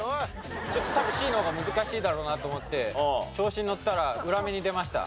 多分Ｃの方が難しいだろうなと思って調子に乗ったら裏目に出ました。